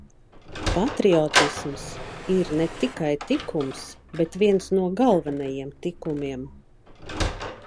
Patriotisms ir ne tikai tikums, bet viens no galvenajiem tikumiem.